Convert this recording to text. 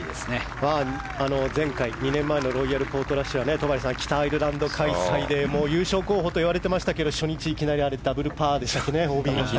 前回、２年前のロイヤルポートラッシュは北アイルランド開催で優勝候補と言われていましたが初日いきなりＯＢでダブルパーでしたね。